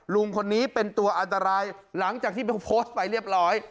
ลุงคนนี้เป็นตัวอันตรายหลังจากที่ไปโพสต์ไปเรียบร้อย